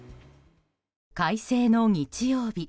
快晴の日曜日。